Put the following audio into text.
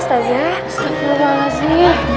ustaznya berdoa gak sih